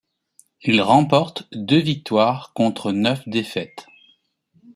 Il remporte deux victoires contre neuf défaites.